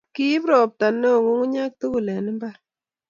Kiip ropta ne o nyukunyek tugul eng mbar